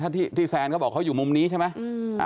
ถ้าที่แซนเขาบอกเขาอยู่มุมนี้ใช่ไหม